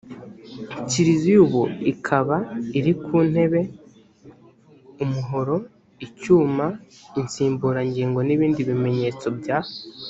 kiliziya ubu ikaba iri ku ntebe umuhoro icyuma insimburangingo n ibindi bimenyetso bya